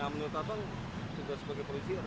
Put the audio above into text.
nah menurut apa bang